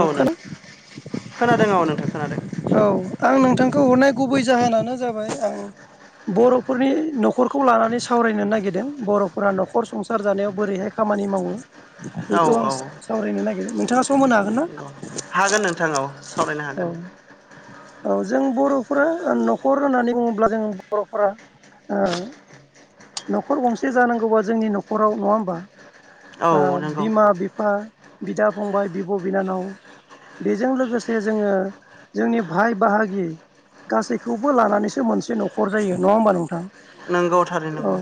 औ नों खोनादों औ नोंथां खोनादों। औ आं नोंथांखौ हरनाय गुबै जाहोनानो जाबाय आं बर'फोरनि नख' खरखौ लानानै सावरायनो नागिरदों बर'फोरा न'खर संसार जानायाव बोरैहाय खामानि मावो। औ बेखौ आं स सावरायनो नागिरदों नोंथाङा सम होनो हाग हागोन नोंथां औ सावरायनो औ हागोन। औ जों बर'फोरा न'खर होननानै बुङोब्ला जों बर'फोरा ओ न'खर गंसे जानांगौबा जोंनि न'खराव नङा होमबा औ ओ नंगौ बिमा बिफ फा बिदा फंबाय बिब' बिनानाव। बेजों लोगोसे जोङो जोंनि भाय बाहागि गासैखौबो लानानैसो मोनसे न'खर जायो नङा होमबा नोंथां। नंगौ थारै औ नंगौ।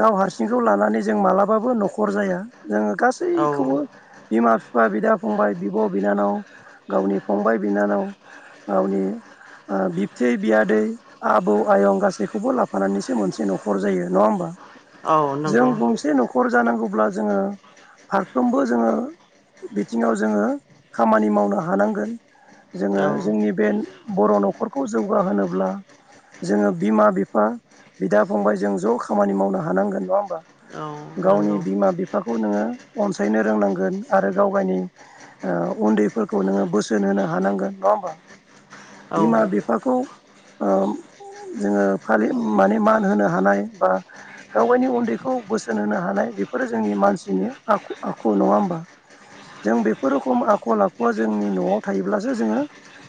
गाव हारसिंखौ लानानै जों मालाबाबो न'खर जाया जोङो औ गासैखौबो। बिमा बिफा बिदा फंबाय बिब' बिनानाव गावनि फंबाय बिनानाव। गावनि ओ बिबथै बियादै आबौ आयं गासैखौबो लाफानानैसो मोनसे न'ख खर जायो नङा होमबा औ जों नंगौ गंसे न'खर जानांगौब्ला जोङो। फारफ्रोमबो जोङो बिथिङाव जोङो खामानि मावनो हानांगोन। जोङो औ जोंनि बे बर' न'खरखौ जौगाहोनोब्ला। जोङो बिमा बिफा बिदा फंबाय जों ज' खामानि मावनो हानांगोन नङा होमबा। औ नंगौ गावनि बिमा बिफाखौ नोङो अनसायनो रोंनांगोन आरो गावगायनि ओ उन्दैफोरखौ नोङो बोसोन होनो हानांगोन नङा होमबा औ बिमा बिफाखौ ओम जोङो फालि माने मा होनो हानाय बा गावगायनि उन्दैखौ बोसोन होनो हानाय बेफोरो जोंनि मानसिनि आखु आखु नङा होमबा जों बेफोर रखम आखल आखुआ जोंनि न'आव थायोब्लासो जोङो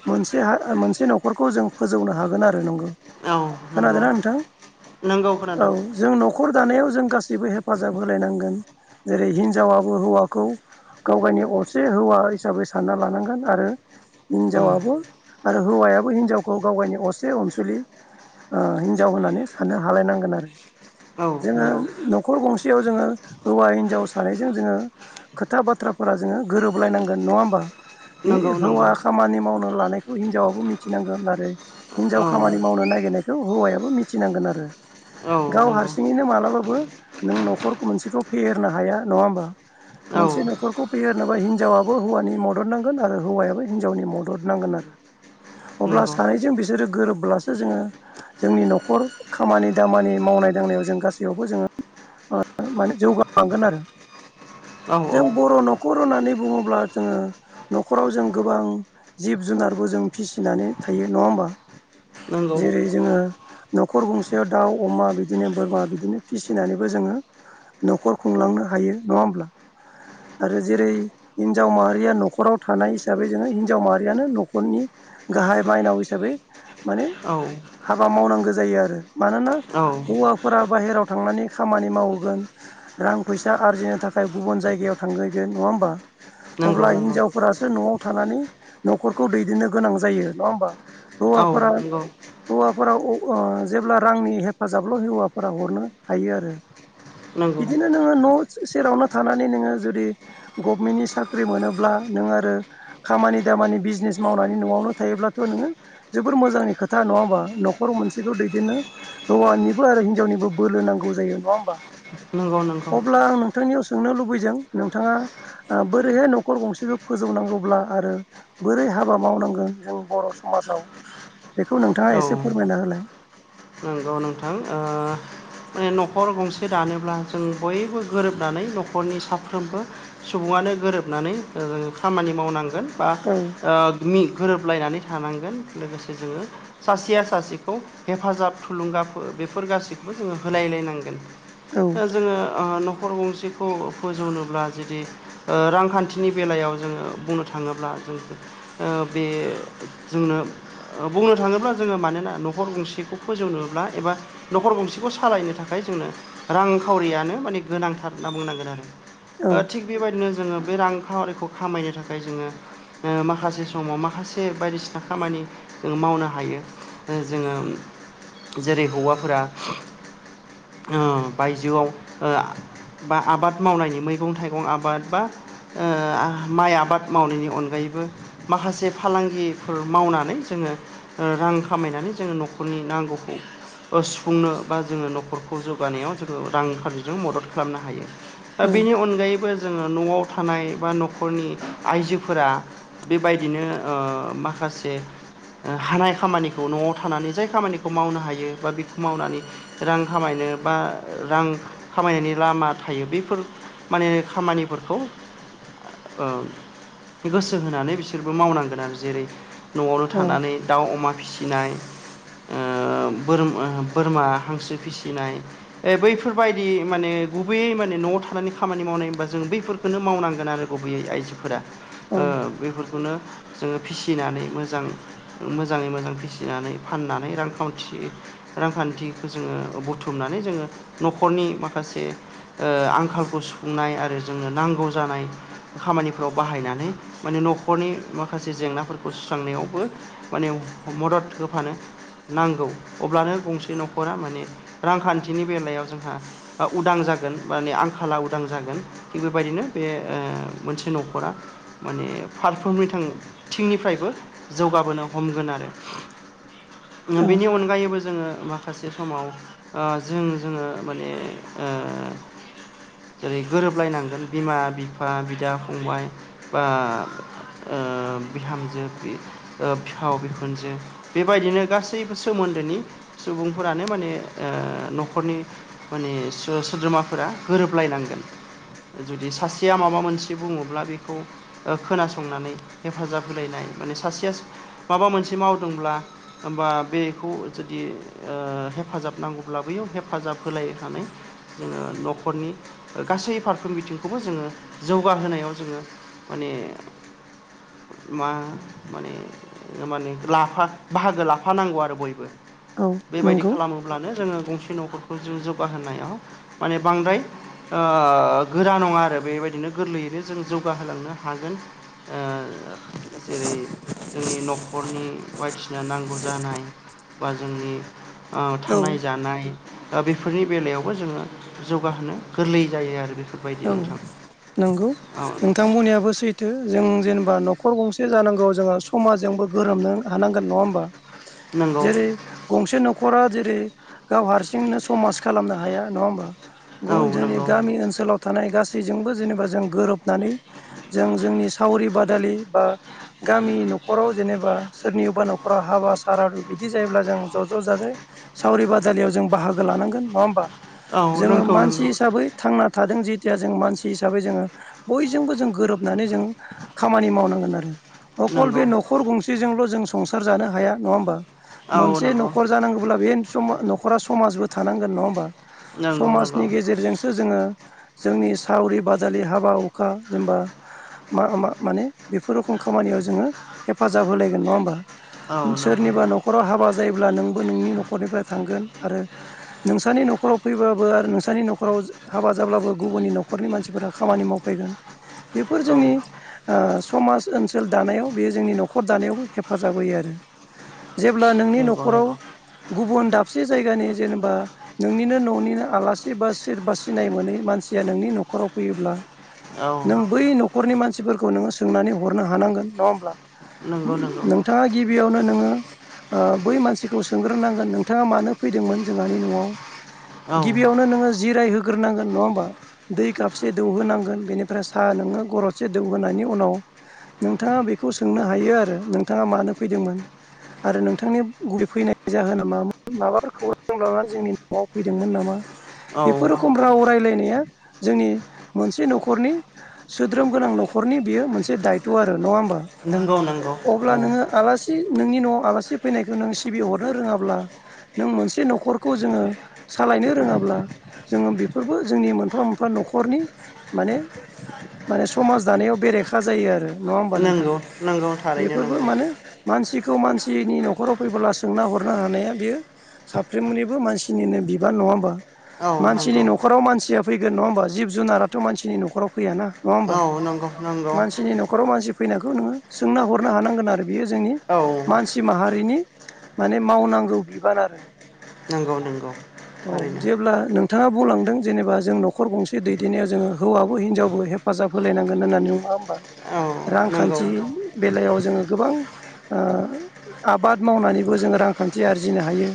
मोनसे हा मोनसे न'खरखौ जों फोजौनो हागोन आरो नोंगौ औ नोंगौ नोंगौ औ जों न'खर दानायाव जों गासैबो हेफाजाब होलायनांगोन जेरै हिनजावाबो हौवाखौ गावगायनि असे हौवा हिसाबै सानना लानांगोन आरो उम हिनजावाबो आरो हौवायाबो हिनजावखौ गावगायनि असे अनसुलि ओ हिनजाव होननानै सानानो हालायनांगोन आरो औ जोङो नंगौ न'खर गंसेयाव जोङो हौवा हिनजाव सानैजों जोङो खोथा बाथ्राफोरा जोङो गोरोबलायनांगोन नङा होमबा हि नंगौ नंगौ हौवा खामानि मावनो लानायखौ हिनजावाबो मिथिनांगोन आरो औ हिनजाव खामानि मावनो नागिरनायखौ हौवायाबो मिथिनांगोन आरो औ गाव नंगौ हारसिङैनो मालाबाबो नों न'खर मोनसेखौ फेहेरनो हाया नङा होमबा औ मोनसे न'खरखौ फेहेरनोबा हिनजावाबो हौवानि मदद नांगोन आरो हौवायाबो हिनजावनि मदद नांगोन आरो अब्ला नंगौ सानैजों बिसोरो गोरोब्लासो जोङो जोंनि न'खर खर खामानि दामानि मावनाय दांनायाव जों गासैयावबो जोङो ओ माने जौगालांगोन आरो औ जों औ बर' न'ख खर' होननानै बुङोब्ला जोङो न'खराव जों गोबां जिब जुनारबो जों फिसिनानै थायो नङा होमबा नंगौ जेरै जोङो न'खर गंसेयाव दाउ, अमा बिदिनो बोरमा बिदिनो फिसिनानैबो जोङो न'खर खुंलांनो हायो नङा होमब्ला आरो जेरै हिनजाव माहारिया न'खराव थानाय हिसाबै जोङो हिनजाव माहारियानो न'खरनि गाहाइ माइनाव हिसाबै माने औ हाबा मावनांगो जायो आरो मानोना औ हौवाफोरा बाहेराव थांनानै खामानि मावैगोन रां फैसा आरजिनो थाखाय गुबुन जायगायाव थांहैगोन नङा होमबा नंगौ अब्ला नंगौ हिनजावफोरासो न'आव थानानै न'खरखौ दैदेननो गोनां जायो नङा होमबा औ हौवाफोरा नंगौ हौवा खराव अ ओ जेब्ला रांनि हेफाजाबल' हि हौवाफोरा हरनो हायो आरो नंगौ बिदिनो नोङो न' सेरावनो थानानै नोङो जुदि गभमेन्टनि साख्रि मोनोब्ला नों आरो खामानि दामानि बिजनेस मावनानै न'आवनो थायोब्लाथ' नोङो जोबोर मोजांनि खोथा नङा होमबा नख न'खर मोनसेखौ दैदेननो हौवानिबो आरो हिनजावनिबो बोलो नांगौ जायो नङा होमबा? नंगौ नंगौ अब्ला आं नोंथांनियाव सोंनो लुबैदों नोंथाङा ओ बोरैहाय न'खर गंसेखौ फोजोवनांगौब्ला आरो बोरै हाबा मावनांगोन जों बर' समाजाव बेखौ नोंथाङा एसे फोरमायना होलाय अ नोंथां ओ न'खर गंसे दानोब्ला जों बयबो गोरोबनानै न'खरनि साफ्रोमबो सुबुङानो गोरोबनानै ओ खामानि मावनांगोन बा औ। ओ मि गोरोबलायनानै थानांगोन लोगोसे जोङो सासेया सासेखौ हेफाजाब थुलुंगाफो बेफोर गासिखौबो जोङो होलायलायनांगोन औ ओ जोङो न'खर गंसे खौ फोजौनोब्ला जुदि ओ रांखान्थिनि बेलायाव जोङो बुंनो थाङोब्ला जों ओ बे जोंनो ओ बुंनो थाङोब्ला जोङो मानोना न'खर गंसेखौ फोजौनोब्ला एबा न'खर गंसेखौ सालायनो थाखाय जोंनो रां खावरियानो माने गोनांथार होनना बुंनांगोन आरो औ ओ थिग बेबायदिनो जोङो बे रां खावरिखौ खामायनो थाखाय जोङो ओ माखासे समाव माखासे बायदिसिना खामानि जों मावनो हायो। ओ जोङो जेरै हौवाफोरा ओ बायजोआव ओ बा आबाद मावनायनि मैगं थाइगं आबाद बा ओ आ माइ आबाद मावनायनि अनगायैबो माखासे फालांगिफोर मावनानै जोङो ओ रां खामायनानै जोङो न'खरनि नांगौ बे ओ सुफुंनो बा जोङो न'खरखौ जौगानायाव जोङो रांखान्थिजों मदद खालामनो हायो। ओ औ बेनि अनगायैबो जोङो न'आव थानाय बा न'खरनि आइजोफोरा बेबायदिनो ओ माखासे ओ हानाय खामानिखौ न'आव थानानै जाय खामानि खौ मावनो हायो बा बेखौ मावनानै रां खामायनो बा रां खामायनायनि लामा थायो बेफोर माने खामानिफोरखौ ओ गोसो होनानै बिसोरबो मावनांगोन आरो जेरै न'आवनो औ थानानै दाउ, अमा फिसिनाय ओ बोर बोरमा हांसो फिसिनाय ओ बैफोरबायदि माने गुबैयै माने न'आव थानानै खामानि मावनाय होनबा जों बैफोर खोनो मावनांगोन आरो गुबैयै आइजोफोरा औ ओ बेफोरखोनो जोङो फिसिनानै मोजां मोजाङै मोजां फिसिनानै फानना नै रां खाउनथि रांखान्थिखो जोङो बुथुमनानै जोङो न'खरनि माखासे ओ आंखालखौ सुफुंनाय आरो जोंनो नांगौ जानाय खामानिफोराव बाहायनानै माने न'खरनि माखासे जेंनाफोरखौ सुस्रांनायावबो माने मदद होफानो नांगौ अब्लानो गंसे न'खरा माने रांखान्थिनि बेलायाव जोंहा ओ उदां जागोन माने आंखाला उदां जागोन। थिग बेबायदिनो बे ओ मोनसे न'खरा माने फारफ्रोमनिथों थिंनिफ्रायबो जौगाबोनो हमगोन आरो। ओ औ बेनि अनगायैबो जोङो मा खासे समाव ओ जों जोङो माने ओ जेरै गोरोबलायनांगोन बिमा, बिफा, बिदा, फंबाय बा ओ बिहामजो, बि-बिहाव, बिखुनजो बेबायदिनो गासैबो सोमोन्दोनि सुबुंफोरानो माने ओ न'खरनि माने सो-सोद्रोमाफोरा गोरोबलायनांगोन। जुदि सासेया माबा मोनसे बुङोब्ला बेखौ ओ खोनासंनानै हेफाजाब होलायनाय माने सासेया माबा मोनसे मावदोंब्ला होमबा बेखौ जुदि ओ हेफाजाब नांगौब्ला बैयाव हेफाजाब होलायनानै जोङो न'खरनि गासै फारफ्रोम बिथिंखौबो जोङो जौगाहोनायाव जोङो माने मा माने माने लाफा बाहागो लाफानांगौ आरो बयबो औ बेबायदि नंगौ खालामो अब्लानो जोङो गंसे न'खरखौ जों जौगाहोनायाव माने बांद्राय ओ गोरा नङा आरो बेबायदिनो गोरलैयैनो जों जौगाहोलांनो हागोन। ओ जेरै जोंनि न'खरनि बायदिसि ना नांगौ जानाय बा जोंनि औ थानाय जानाय दा बेफोरनि बेलायावबो जोङो जौगाहोनो गोरलै जायो आरो बेफोर औ नोंगौ नोंथा थां बुंनायाबो सैथो जों जेनेबा न'खर गंसे जानांगौ जोंहा समाजजोंबो गोरोमनो हानांगोन नङा ओमबा? नंगौ जेरै गंसे न'खरा जेरै गाव हारसिंनो समाज खालामनो हाया नङा ओमबा? औ गुबुन जोंनि नंगौ गामि ओनसोलाव थानाय गासैजोंबो जेनेबा जों गोरोबनानै जों जोंनि सावरि बादालि बा गामि न'खराव जेनेबा सोरनिबा न'खराव हाबा सारादु बिदि जायोब्ला जों ज' ज' जाजाय सावरि बादालियाव जों बाहागो लानांगोन नङा ओमबा औ जोङो नंगौ मानसि नंगौ हिसाबै थांना थादों जित तिया जों मानसि हिसाबै जोङो बयजोंबो जों गोरोबनानै जों खामानि मावनांगोन आरो अकल बे नंगौ न'खर गंसेजोंल' जों संसार जानो हाया नङा ओमबा? औ मोनसे नंगौ न'खर जानांगौब्ला बेन समा न'खरा समाजबो थानांगोन नङा ओमबा? नंगौ समाजनि नंगौ गेजेरजोंसो जोङो जोंनि सावरि बादालि हाबा हुखा जेनबा मा मा माने बेफोर रखम खामानियाव जोङो हेफाजाब होलायगोन नङा ओमबा? औ सोरनिबा नंगौ न'खराव हाबा जायोब्ला नोंबो नोंनि न'खरनिफ्राय थांगोन आरो नोंसानि न'खराव फैबाबो आरो नोंसानि न'खराव जो हाबा जाब्लाबो गुबुननि न'खरनि मानसिफोरा खामानि मावफैगोन बेफोर औ जोंनि ओ समाज ओनसोल दानायाव बे जोंनि न'खर दानायावबो हेफाजाब होयो आरो जेब्ला नोंनि नंगौ न'खराव नंगौ गुबुन दाबसे जायगानि जेनेबा नोंनिनो न'निनो आलासि बा सोर बा सिनाय मोनै मानसि या नोंनि न'खराव फैयोब्ला औ नों बै न'ख खरनि मानसिफोरखौ नोङो सोंनानै हरनो हानांगोन नङा ओमब्ला? नोंगौ नोंगौ। थाङा गिबियावनो नोङो ओ बै मानसिखौ सोंग्रोनांगोन नोंथाङा मानो फैदोंमोन जोंहानि न'आव? औ गिबियावनो नोङो जिराय होग्रोनांगोन नङा ओमबा? दै काबसे दौहोनांगोन बेनिफ्राय साहा नोङो गरदसे दौहोनायनि उनाव नोंथाङा बेखौ सोंनो हायो आरो नोंथाङा मानो फैदोंमोन? आरो नोंथांनि गुबै फैनाय जाहोना मामोन माबाफोर खौरां [unintelligible] जोंनि न'आव फैदोंमोन नामा? औ बेफोर रखम राव रायलायनाया जोंनि मोनसे न'खरनि सोद्रोम गोनां न'खरनि बेयो मोनसे दात्य आरो नङा ओमबा नंगौ नंगौ अब्ला औ नोङो आलासि सि नोंनि न'आव आलासि फैनायखौ नों सिबिहरनो रोङाब्ला नों मोनसे न'खरखौ जोङो सालायनो रोङाब्ला जोङो बेफोरबो जोंनि मोन फ्रोमबो न'खरनि माने माने समाज दानायाव बेरेखा जायो आरो नङा ओमबा नोंथां नंगौ नंगौ थारैनो बेफोरबो नंगौ मानो मानसिखौ मानसिनि न'खराव फैबोला सोंना हरनो हानाया बेयो साफ्रोमनिबो मानसिनिनो बिबान नङा ओमबा? औ मानसिनि नंगौ न'खराव मानसिया फैगोन नङा ओमबा जिब जुनाराथ' मानसिनि न'खराव फैयाना। नङा ओमबा औ नंगौ नंगौ मानसिनि न'खराव मानसि फैनायखौ नोङो सोंना हरनो हानांगोन आरो बियो जोंनि औ मानसि सि माहारिनि माने मावनांगौ बिबान आरो नंगौ नंगौ औ थारैनो जेब्ला नों बिथाङा बुंलांदों जेनेबा जों न'खर गंसे दैदेननायाव जोङो हौवाबो हिनजावबो हेफाजाब होलायनांगोन होननानै नङा होमबा औ नंगौ रांखान्थि बेलायाव जोङो गोबां आबाद मावनानैबो जोङो रांखान्थि आरजिनो हायो।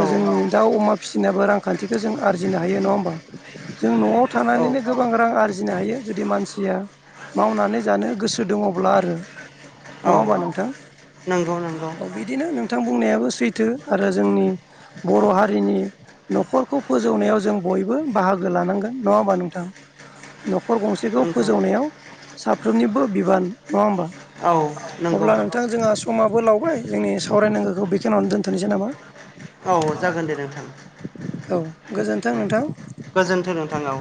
औ जोंनि दाउ अमा फिसिनायाबो रांखान्थिखौ जों आरजिनो हायो, नङा होमबा? जों न'आव औ थानानैनो गो गोबां रां आरजिनो हायो जुदि मानसिया मावनानै जानो गोसो दङब्ला आरो। नङा औ होमबा नोंथां? नंगौ नंगौ बिदिनो नोंथां बुंनायाबो सैथो आरो जोंनि बर' हारिनि न'खरखौ फोजौनायाव जों बयबो बाहा गो लानांगोन नङा होमबा नोंथां? न'खर गंसेखौ नंगौ फोजौनायाव साफ्रोमनिबो बिबान, नङा होमबा? औ नों अब्ला नोंथां जोंहा समाबो लावबाय जोंनि सावरायनांगौखौ बेखिनियावनो दोन्थ'नोसै नामा? औ जागोन दे नोंथां औ गोजोन्थों दे नोंथां। गोजोन्थों नोंथां औ।